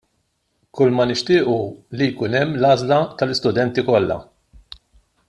Kulma nixtiequ hu li jkun hemm l-għażla tal-istudenti kollha.